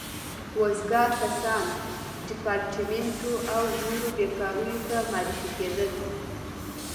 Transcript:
وزګار کسان ریپارټیمنټو او نورو بېګاریو ته معرفي کېدل.